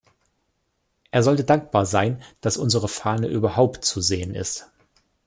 Er sollte dankbar sein, dass unsere Fahne überhaupt zu sehen ist.